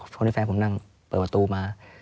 พอดีแฟนผมนั่งเปิดประตูมา